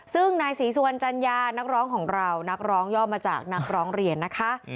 ซึ่งนายศรีสุวรรณจัญญานักร้องของเรานักร้องย่อมาจากนักร้องเรียนนะคะ